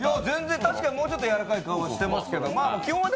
確かに、もうちょっとやわらかい顔してますけどね。